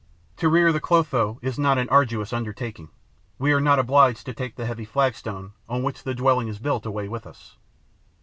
To rear the Clotho is not an arduous undertaking; we are not obliged to take the heavy flagstone, on which the dwelling is built, away with us.